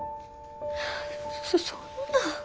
そんな。